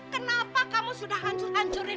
kenapa kamu sudah hancur hancurin